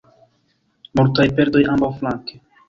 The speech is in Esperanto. Multaj perdoj ambaŭflanke.